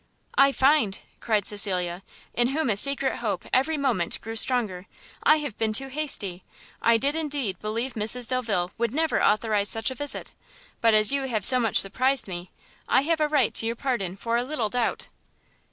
"I find," cried Cecilia, in whom a secret hope every moment grew stronger, "I have been too hasty; I did indeed believe Mrs Delvile would never authorise such a visit; but as you have so much surprised me, I have a right to your pardon for a little doubt."